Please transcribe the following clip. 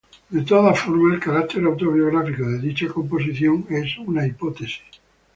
De todas formas, el carácter autobiográfico de dicha composición es una hipótesis.